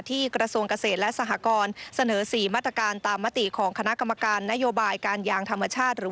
กระทรวงเกษตรและสหกรณ์เสนอ๔มาตรการตามมติของคณะกรรมการนโยบายการยางธรรมชาติหรือ